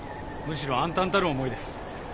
むしろ暗澹たる思いです。